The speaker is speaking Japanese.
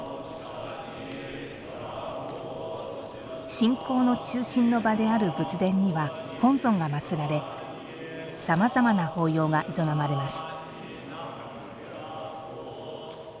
信仰の中心の場である仏殿には本尊が祭られさまざまな法要が営まれます。